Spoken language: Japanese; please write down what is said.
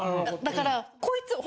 だから。